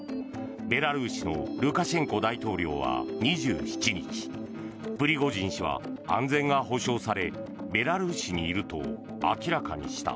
ベラルーシのルカシェンコ大統領は２７日プリゴジン氏は安全が保証されベラルーシにいると明らかにした。